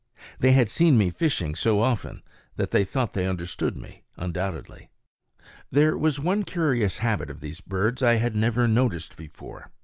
They had seen me fishing so often that they thought they understood me, undoubtedly. There was one curious habit of these birds that I had never noticed before.